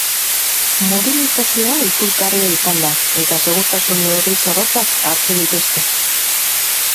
Mobilizazioa ikusgarria izan da eta segurtasun neurri zorrotzak hartu dituzte.